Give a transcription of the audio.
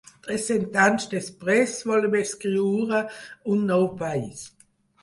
Tres-cents anys després volem escriure un nou país.